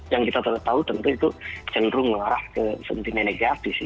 yang kita tahu tentu itu cenderung mengarah ke sentimen negatif